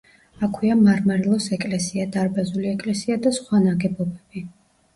აქვეა „მარმარილოს“ ეკლესია, დარბაზული ეკლესია და სხვა ნაგებობები.